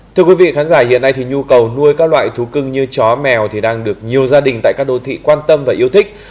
thưa quý vị khán giả hiện nay thì nhu cầu nuôi các loại thú cưng như chó mèo thì đang được nhiều gia đình tại các đô thị quan tâm và yêu thích